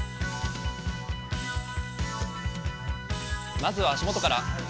まずは足元から。